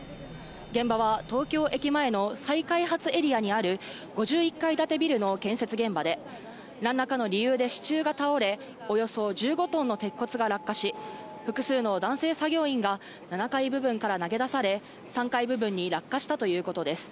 現場は東京駅前の再開発エリアにある５１階建てビルの建設現場で、何らかの理由で支柱が倒れ、およそ１５トンの鉄骨が落下し、複数の男性作業員が７階部分から投げ出され、３階部分に落下したということです。